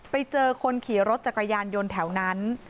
ไปเจอคนขี่รถจักรยานยนต์แถวนั้น